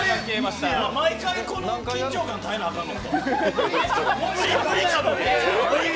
毎回、こんな緊張感、耐えなあかんの？